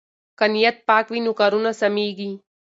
که نیت پاک وي نو کارونه سمېږي.